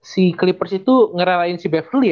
si clippers itu ngerelain si beverley